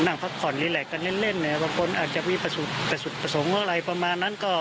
นั่งพักผ่อนรีแหลกกันเล่นเนาะ